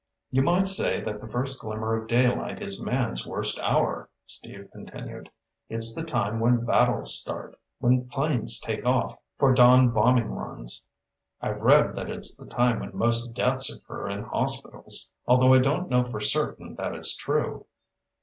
"You might say that the first glimmer of daylight is man's worst hour," Steve continued. "It's the time when battles start, when planes take off for dawn bombing runs. I've read that it's the time when most deaths occur in hospitals, although I don't know for certain that it's true.